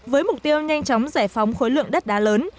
với mục tiêu nhanh chóng giải phóng khối lượng đất đá lớn